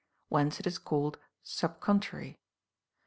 Whence it is called sub contrary.